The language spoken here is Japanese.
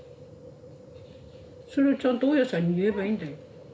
それをちゃんと大家さんに言えばいいんだよ。